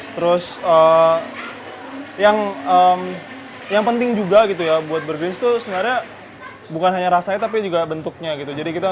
terus yang penting juga gitu ya buat berbuns itu sebenarnya bukan hanya rasanya tapi juga bentuknya gitu